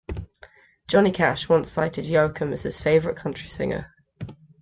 Johnny Cash once cited Yoakam as his favorite country singer.